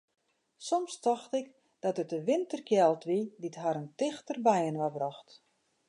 Soms tocht ik dat it de winterkjeld wie dy't harren tichter byinoar brocht.